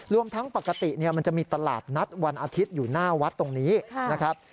รวมทั้งปกติมันจะมีตลาดนัดวันอาทิตย์อยู่หน้าวัดตรงนี้นะครับ